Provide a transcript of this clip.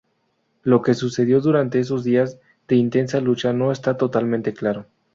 Lo que sucedió durante esos días de intensa lucha no está totalmente claro.